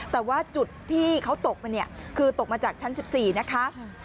แต่ว่าจุดที่เขาตกมาเนี่ยคือตกมาจากชั้น๑๔นะคะ